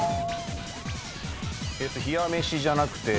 冷飯じゃなくて。